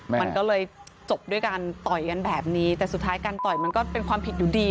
มันก็เลยจบด้วยการต่อยกันแบบนี้แต่สุดท้ายการต่อยมันก็เป็นความผิดอยู่ดี